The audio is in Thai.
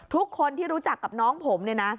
ทุกคนที่รู้จักกับน้องผมเนี่ยนะ